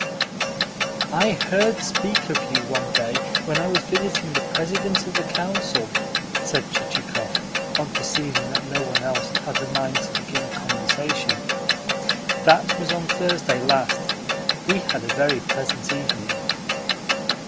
"I heard speak of you one day when I was visiting the President of the Council," said Chichikov, on perceiving that no one else had a mind to begin a conversation. "That was on Thursday last. We had a very pleasant evening."